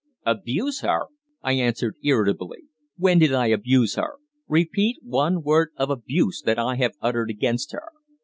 "Abuse her!" I answered irritably. "When did I abuse her? Repeat one word of abuse that I have uttered against her.